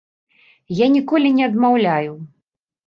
Я ніколі не адмаўляю.